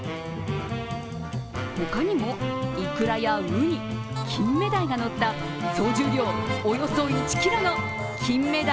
他にも、いくらやうに、金目鯛がのった総重量およそ１ｋｇの金目鯛